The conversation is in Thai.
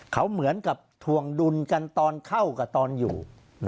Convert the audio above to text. เขาเหมือนกับทวงดุลกันตอนเข้ากับตอนอยู่